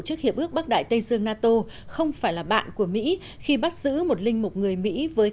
chức hiệp ước bắc đại tây dương nato không phải là bạn của mỹ khi bắt giữ một linh mục người mỹ với